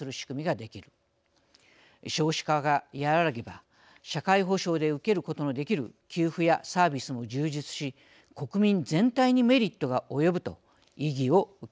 少子化が和らげば社会保障で受けることができる給付やサービスも充実し国民全体にメリットが及ぶと意義を強調しました。